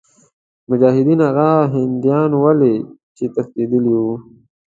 مجاهدین هغه هندیان ول چې تښتېدلي وه.